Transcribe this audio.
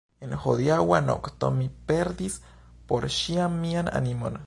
En hodiaŭa nokto mi perdis por ĉiam mian animon!